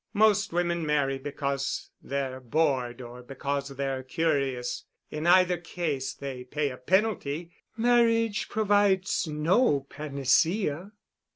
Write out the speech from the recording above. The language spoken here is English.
Most women marry because they're bored or because they're curious. In either case they pay a penalty. Marriage provides no panacea.